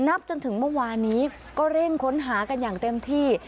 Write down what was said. นับจนถึงเมื่อวานนี้ก็เร่งค้นหากันอย่างเต็มที่